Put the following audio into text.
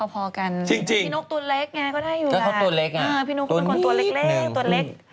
พอกันพี่นุ๊กตัวเล็กไงก็ได้อยู่แล้วพี่นุ๊กเป็นคนตัวเล็ก